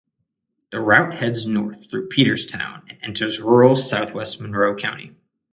The route heads north through Peterstown and enters rural southwest Monroe County.